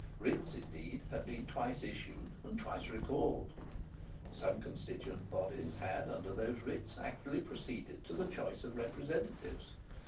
Writs, indeed, had been twice issued, and twice recalled. Some constituent bodies had, under those writs, actually proceeded to the choice of representatives.